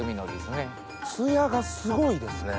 艶がすごいですね。